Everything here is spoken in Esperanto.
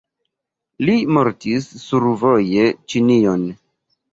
Li mortis survoje Ĉinion.